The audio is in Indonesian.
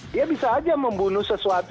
dia bisa saja membunuh sesuatu